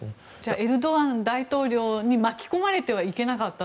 エルドアン大統領に巻き込まれてはいけなかったと。